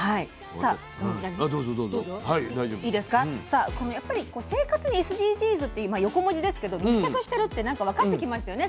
さあこの生活にＳＤＧｓって横文字ですけど密着してるってなんか分かってきましたよね